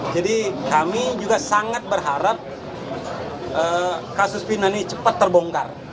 jadi kami juga sangat berharap kasus fina ini cepat terbongkar